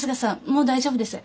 もう大丈夫です。